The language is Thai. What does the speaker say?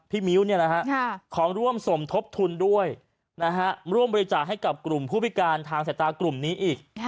มิ้วของร่วมสมทบทุนด้วยร่วมบริจาคให้กับกลุ่มผู้พิการทางสายตากลุ่มนี้อีก